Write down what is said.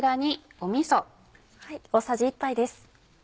大さじ１杯です。